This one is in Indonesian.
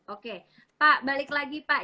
oke pak balik lagi pak